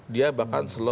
dia bahkan slow